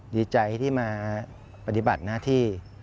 ดีใจที่มาปฏิบัติหน้าที่